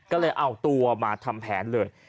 ก็เลยเอาตัวมาทำแผนเลย